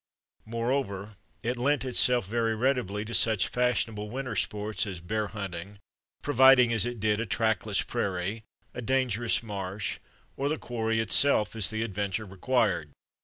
Moreover, it leant itself very readily to such fashionable winter sport as bear hunting, providing as it did a trackless prairie, a dangerous marsh, or the quarry itself as the adventure required.